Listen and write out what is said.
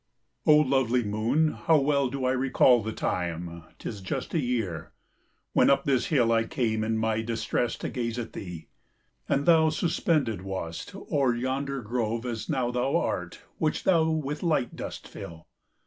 O lovely moon, how well do I recall The time,—'tis just a year—when up this hill I came, in my distress, to gaze at thee: And thou suspended wast o'er yonder grove, As now thou art, which thou with light dost fill.